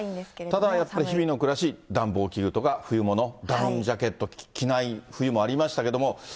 ただやっぱり日々の暮らし、暖房器具とか冬物、ダウンジャケット着ない冬もありましたけど。